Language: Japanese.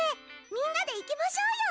みんなでいきましょうよ。